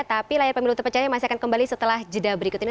tapi layar pemilu terpercaya masih akan kembali setelah jeda berikut ini